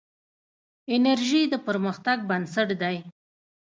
انرژي د پرمختګ بنسټ دی.